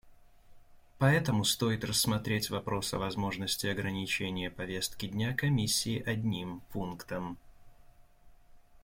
Поэтому стоит рассмотреть вопрос о возможности ограничения повестки дня Комиссии одним пунктом.